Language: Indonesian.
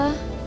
kah di telepon